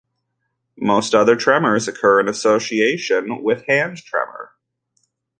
Most other tremors occur in association with hand tremor.